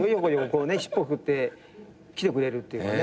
こうね尻尾振って来てくれるっていうかね。